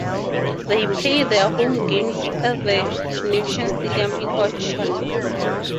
They play their home games at the Nivison Stadium in Onchan.